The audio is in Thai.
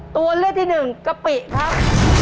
ตัวเลือกที่หนึ่งกะปิครับ